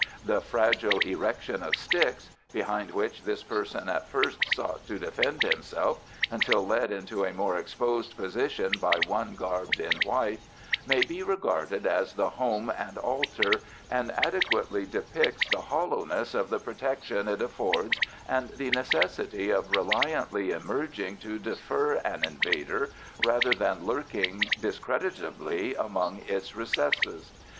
The fragile erection of sticks (behind which this person at first sought to defend himself until led into a more exposed position by one garbed in white,) may be regarded as the home and altar, and adequately depicts the hollowness of the protection it affords and the necessity of reliantly emerging to defy an invader rather than lurking discreditably among its recesses.